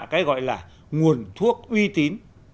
cái gọi là nguồn thuốc uy tín